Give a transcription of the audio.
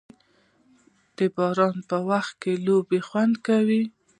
د باران په وخت کې لوبه خوند کوي.